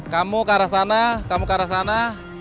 kamu ke arah sana kamu ke arah sana